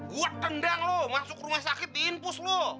gua tendang lu masuk rumah sakit diinpus lu